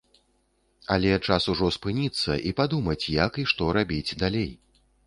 Але час ужо спыніцца і падумаць, як і што рабіць далей.